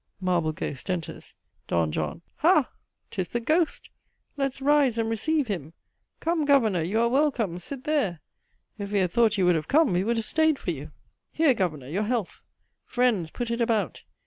(Marble ghost enters.) "D. JOHN. Ha! 'tis the ghost! Let's rise and receive him! Come, Governour, you are welcome, sit there; if we had thought you would have come, we would have staid for you. Here, Governour, your health! Friends, put it about!